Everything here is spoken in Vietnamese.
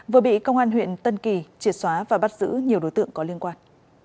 vừa bị công an huyện tân kỳ triệt xóa và bắt giữ nhiều đối tượng có liên quan